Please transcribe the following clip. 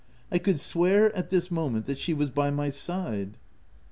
I could swear at this moment, that she was by my side."